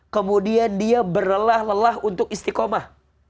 kemudian dia berlelah lelah untuk istiqomah